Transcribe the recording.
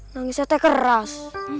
nangis hati keras